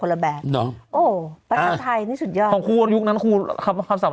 คนละแบบโอ้ประธานไทยนี่สุดยอดของครูยุคนั้นครูคำศัพท์